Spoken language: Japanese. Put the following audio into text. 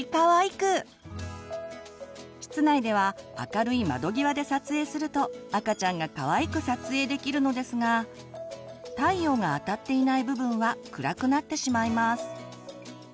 室内では明るい窓際で撮影すると赤ちゃんがかわいく撮影できるのですが太陽があたっていない部分は暗くなってしまいます。